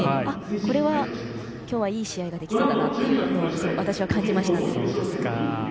これは、きょうはいい試合ができそうだなということを私は感じましたね。